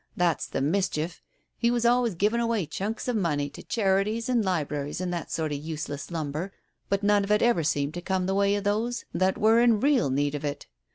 That's the mischief. He was always giving away chunks of money to charities and libraries and that sort of useless lumber, but none of it ever seemed to come the way of those that we^e in real need of it.